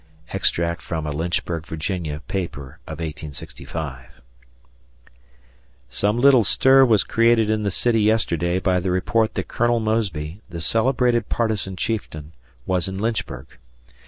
[Extract from a Lynchburg, Virginia, paper of 1865] Some little stir was created in the city yesterday by the report that Col. Mosby, the celebrated partisan chieftain, was in Lynchburg.